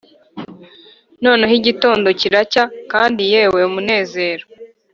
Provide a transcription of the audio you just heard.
noneho igitondo kiracya, kandi yewe, umunezero;